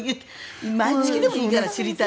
毎月でもいいから知りたい。